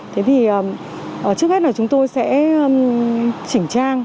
thế thì trước hết là chúng tôi sẽ chỉnh trang